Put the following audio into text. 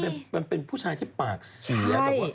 พี่อยากแบบมันเป็นผู้ชายที่ปากเสียก่อน